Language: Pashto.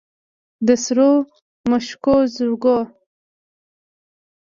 د سرو مشوکو زرکو